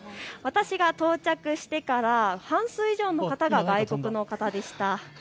私が到着してから半数以上の方が外国の方でした。